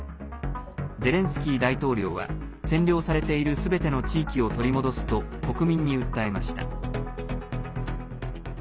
ゼレンスキー大統領は占領されているすべての地域を取り戻すと国民に訴えました。